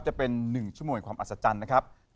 จะเป็น๑ชั่วโมงความอัศจรรย์นะครับ